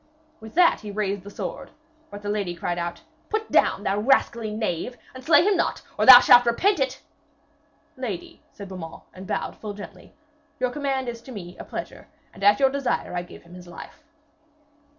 With that he raised the sword, but the lady cried out: 'Put down, thou rascally knave, and slay him not, or thou shalt repent it!' 'Lady,' said Beaumains, and bowed full gently, 'your command is to me a pleasure, and at your desire I give him his life.'